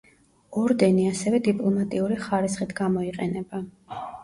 ორდენი ასევე დიპლომატიური ხარისხით გამოიყენება.